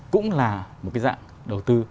cũng là một cái dạng đầu tư